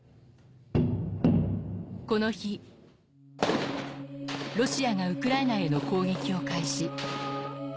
この日、ロシアがウクライナへの攻撃を開始。